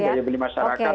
daya beli masyarakat